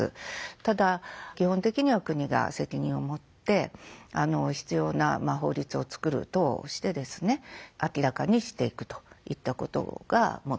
ただ基本的には国が責任を持って必要な法律を作る等をしてですね明らかにしていくといったことが求められると思います。